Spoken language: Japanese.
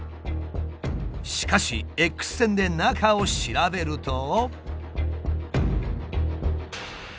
しかしＸ線で中を調べると。